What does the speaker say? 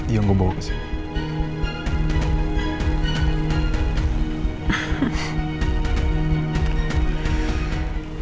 yang gue bawa ke sini